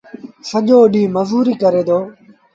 سڄو ڏيٚݩهݩ مزوريٚ ڪري دو۔